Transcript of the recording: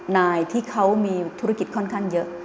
นายที่เขามีธุรกิจค่อนข้างเยอะ